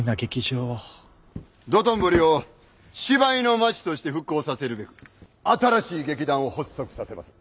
道頓堀を芝居の街として復興させるべく新しい劇団を発足させます。